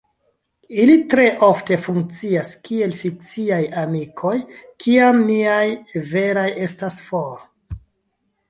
Ili tre ofte funkcias kiel fikciaj amikoj, kiam miaj veraj estas for.